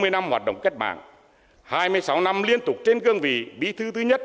hai mươi năm hoạt động cách mạng hai mươi sáu năm liên tục trên cương vị bí thư thứ nhất